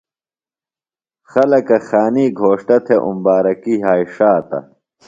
خلکہ خانی گھوݜٹہ تھے اُمبارکی یھائی ݜاتہ۔